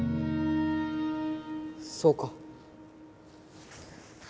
そうか。